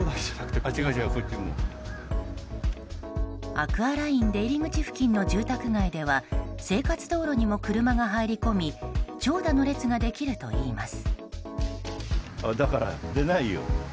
アクアライン出入り口付近の住宅街では生活道路にも車が入り込み長蛇の列ができるといいます。